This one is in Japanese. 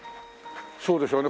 そうでしょうね。